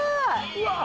うわ。